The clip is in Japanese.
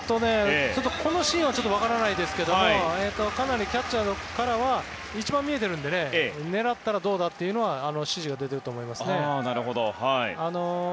このシーンは分からないんですがキャッチャーからは一番見えているので狙ったらどうだという指示が出ていると思います。